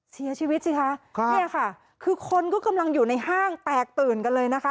เสียชีวิตสิคะเนี่ยค่ะคือคนก็กำลังอยู่ในห้างแตกตื่นกันเลยนะคะ